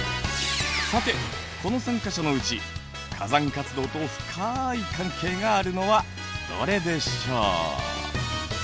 さてこの３か所のうち火山活動と深い関係があるのはどれでしょう。